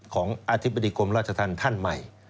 ของอธิบดีกรมราชธรรมท่านใหม่